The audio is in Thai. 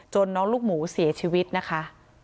น้องลูกหมูเสียชีวิตนะคะ